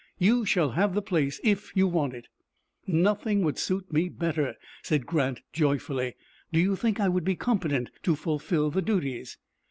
You shall have the place if you want it." "Nothing would suit me better," said Grant, joyfully. "Do you think I would be competent to fulfill the duties?"